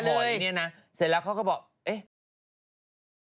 คือหอยนี่นะเสร็จแล้วเขาก็บอกเ้๊ะ